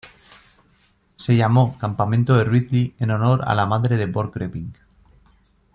Se llamó "Campamento de Ridley" en honor a la madre de Borchgrevink.